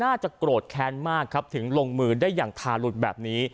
น่าจะโกรธแค้นมากครับถึงลงมือได้อย่างทาหลุดแบบนี้